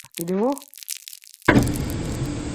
বিবাহের বিশেষ সম্ভাবনা দেখা যায় না।